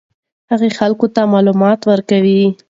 هغې خلکو ته معلومات ورکوي.